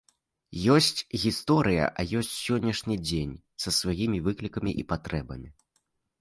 Ёсць гісторыя, а ёсць сённяшні дзень са сваімі выклікамі і патрэбамі.